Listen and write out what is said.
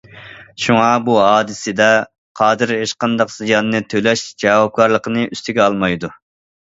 شۇڭا، بۇ ھادىسىدە قادىر ھېچقانداق زىياننى تۆلەش جاۋابكارلىقىنى ئۈستىگە ئالمايدۇ.